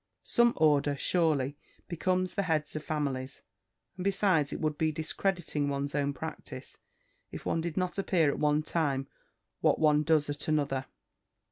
Some order, surely, becomes the heads of families; and besides, it would be discrediting one's own practice, if one did not appear at one time what one does at another.